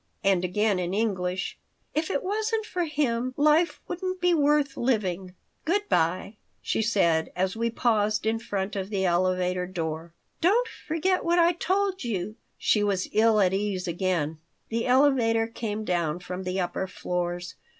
And again in English, "If it wasn't for him life wouldn't be worth living. Good by," she said, as we paused in front of the elevator door. "Don't forget what I told you." She was ill at ease again The elevator came down from the upper floors.